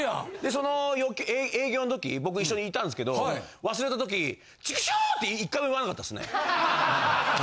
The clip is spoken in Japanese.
その営業のとき僕一緒にいたんですけど忘れたとき「チクショー！！」って１回も言わなかったですね。